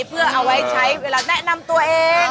เพื่อเอาไว้ใช้เวลาแนะนำตัวเอง